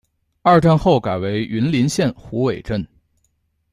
二战后改为云林县虎尾镇。